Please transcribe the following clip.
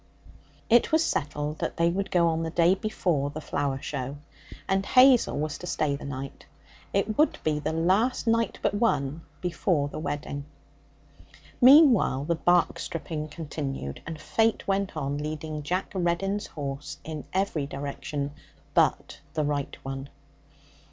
It was settled that they were to go on the day before the flower show, and Hazel was to stay the night. It would be the last night but one before the wedding. Meanwhile, the bark stripping continued, and fate went on leading Jack Reddin's horse in every direction but the right one.